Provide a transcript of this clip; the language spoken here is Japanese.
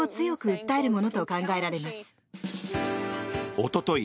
おととい